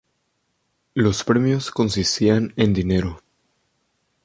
Los premios consistían en dinero.